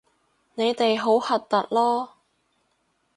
你哋好核突囉